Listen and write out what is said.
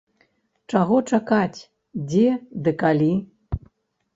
Чаго чакаць, дзе ды калі?